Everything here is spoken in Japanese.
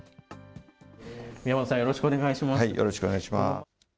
宮本さん、よろしくお願いします。